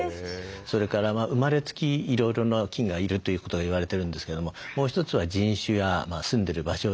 それから生まれつきいろいろな菌がいるということが言われてるんですけどももう一つは人種や住んでる場所